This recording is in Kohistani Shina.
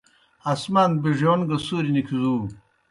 آسمان بِڙِیون گہ سُوریْ نِکھزُو۔